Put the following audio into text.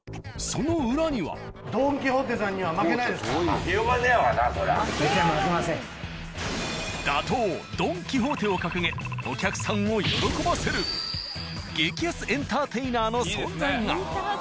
その裏には。を掲げお客さんを喜ばせる激安エンターテイナーの存在が。